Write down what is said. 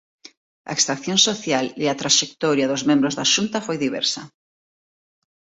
A extracción social e a traxectoria dos membros da Xunta foi diversa.